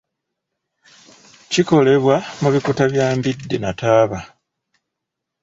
Kikolebwa mu bikuta bya mbidde na taaba.